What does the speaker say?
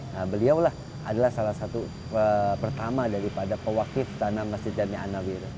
nah beliau lah adalah salah satu pertama daripada pewakif tanah masjid jami annawira